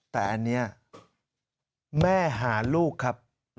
แต่อันนี้แม่หาลูกครับ